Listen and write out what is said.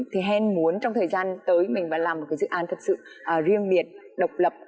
thì hèn muốn trong thời gian tới mình phải làm một dự án thật sự riêng biệt độc lập